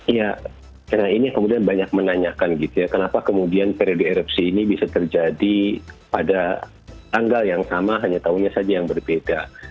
iya karena ini yang kemudian banyak menanyakan gitu ya kenapa kemudian periode erupsi ini bisa terjadi pada tanggal yang sama hanya tahunnya saja yang berbeda